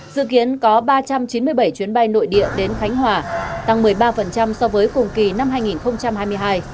dự kiến có ba trăm chín mươi bảy chuyến bay nội địa đến khánh hòa tăng một mươi ba so với cùng kỳ năm hai nghìn hai mươi hai